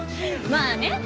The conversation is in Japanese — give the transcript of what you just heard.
まあね。